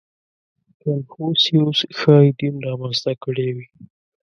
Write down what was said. • کنفوسیوس ښایي دین را منځته کړی وي.